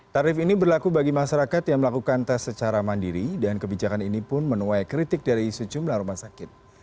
tarif ini berlaku bagi masyarakat yang melakukan tes secara mandiri dan kebijakan ini pun menuai kritik dari sejumlah rumah sakit